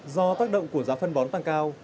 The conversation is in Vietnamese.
do tác động của giá phân bón tăng cao